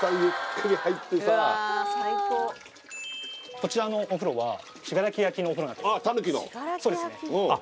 こちらのお風呂は信楽焼のお風呂なんですああ